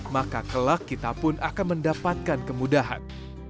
maka kelak kita pun akan mendapatkan kemudahan